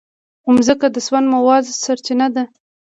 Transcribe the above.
مځکه د سون موادو سرچینه ده.